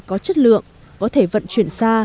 có chất lượng có thể vận chuyển xa